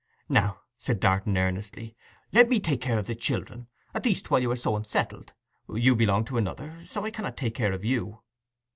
'Now,' said Darton earnestly, 'let me take care of the children, at least while you are so unsettled. You belong to another, so I cannot take care of you.